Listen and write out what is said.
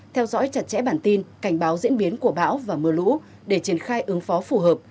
theo dõi chặt chẽ bản tin cảnh báo diễn biến của bão và mưa lũ để triển khai ứng phó phù hợp